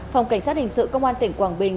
phòng cảnh sát hình sự công an tỉnh quảng bình